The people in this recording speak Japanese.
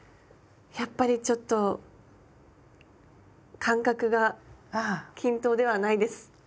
やっぱりちょっと間隔が均等ではないです。